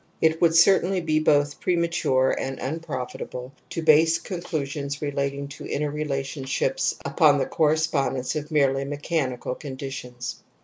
It would certainly be both premature and improfitable to base conclusions relating to ' inner relationships upon the correspondence of merely mechanical conditions.